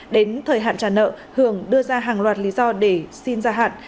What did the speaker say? đến thời hạn trả nợ hưởng đưa ra hàng loạt lý do để xin gia hạn